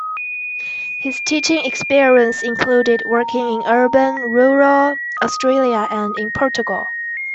His teaching experience included working in urban, rural Australia and in Portugal.